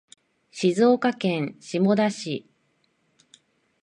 静岡県下田市